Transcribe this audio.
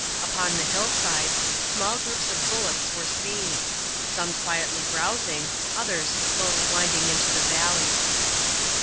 Upon the hill sides, small groups of bullocks were seen ; some quietly brows Jug ; others slowly winding into the valleys.